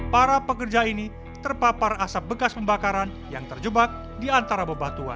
para pekerja ini terpapar asap bekas pembakaran yang terjebak di antara bebatuan